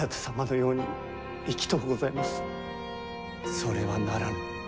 それはならぬ。